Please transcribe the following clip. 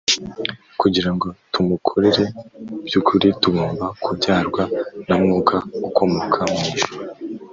Kugira ngo tumukorere by’ukuri, tugomba kubyarwa na Mwuka ukomoka mw’ijuru